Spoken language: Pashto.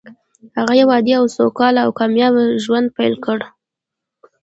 هغه يو عادي او سوکاله او کامياب ژوند پيل کړ.